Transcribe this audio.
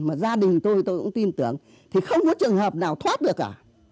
mà gia đình tôi tôi cũng tin tưởng thì không có trường hợp nào thoát được cả